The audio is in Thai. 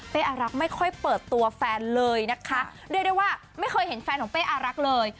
อารักษ์ไม่ค่อยเปิดตัวแฟนเลยนะคะเรียกได้ว่าไม่เคยเห็นแฟนของเป้อารักเลย